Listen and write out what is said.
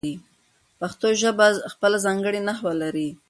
پښتو ژبه خپله ځانګړې نحو لري.